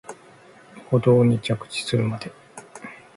舗道に着地するまで